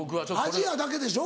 アジアだけでしょ？